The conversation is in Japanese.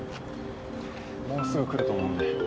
もうすぐ来ると思うんで。